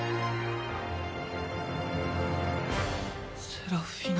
セラフィナ。